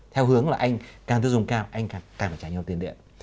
theo hướng là anh càng tiêu dùng cao anh càng phải trả nhau tiền điện